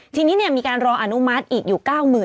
ทีนี้มีการรออนุมัติอีกอยู่๙๐๐